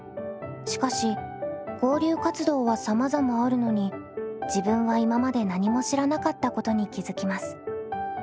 しかし交流活動はさまざまあるのに自分は今まで何も知らなかったことに気付きます。